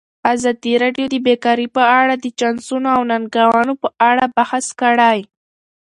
ازادي راډیو د بیکاري په اړه د چانسونو او ننګونو په اړه بحث کړی.